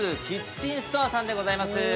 キッチンストアさんでございます。